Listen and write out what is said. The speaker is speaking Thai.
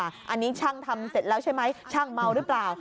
อันนี้ช่างทำเสร็จแล้วใช่ไหมช่างเมาหรือเปล่า